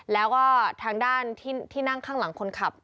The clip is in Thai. แล้วก็ทางด้านที่นั่งข้างหลังคนขับ